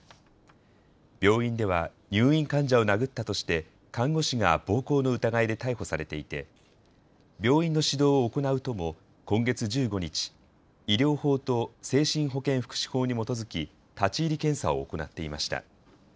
病院では入院患者を殴ったとして看護師が暴行の疑いで逮捕されていて病院の指導を行う都も今月１５日、医療法と精神保健福祉法に基づき立ち入り検査を行っていました。